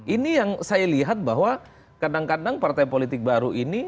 ini yang saya lihat bahwa kadang kadang partai politik baru ini